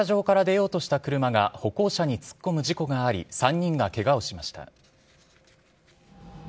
先ほど、東京・国分寺市で駐車場から出ようとした車が歩行者に突っ込む事故があり、３人がけがをしました。